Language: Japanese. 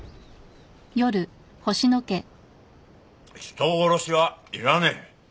「人殺しはいらねえ」？